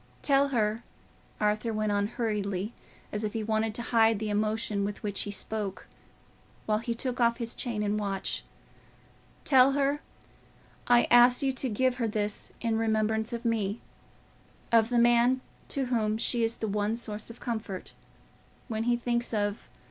Tell her," Arthur went on hurriedly, as if he wanted to hide the emotion with which he spoke, while he took off his chain and watch, "tell her I asked you to give her this in remembrance of me—of the man to whom she is the one source of comfort, when he thinks of...